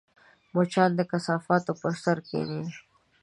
مچان د کثافاتو پر سر کښېني